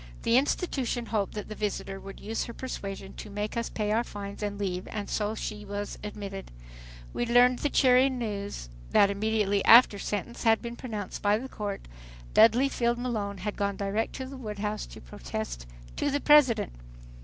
The institution hoped that the visitor would use her persuasion to make us pay our fines and leave and so she was admitted. We learned the cheering news, that immediately after sentence had been pronounced by the Court, Dudley Field Malone had gone direct to the White House to protest to the President.